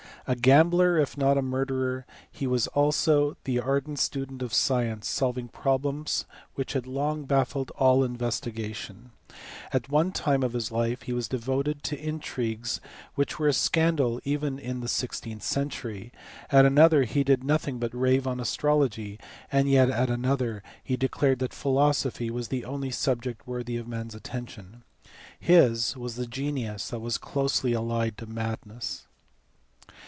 A gambler, if not a murderer, he was also the ardent student of science, solving problems which had long baffled all investi gation; at one time of his life he was devoted to intrigues which were a scandal even in the sixteenth century, at another he did nothing but rave on astrology, and yet at another he declared that philosophy was the only subject worthy of man s attention. His was the genius that was closely allied to madness.